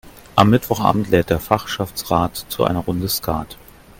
Am Mittwochabend lädt der Fachschaftsrat zu einer Runde Skat.